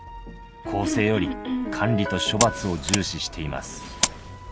更生より管理と処罰を重視しています。